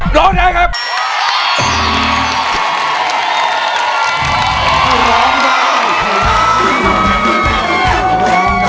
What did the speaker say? ร้องได้ให้ร้าง